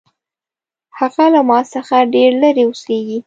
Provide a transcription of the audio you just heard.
هغه له ما څخه ډېر لرې اوسیږي